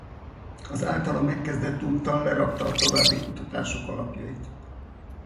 Az általa megkezdett úttal lerakta a további kutatások alapjait.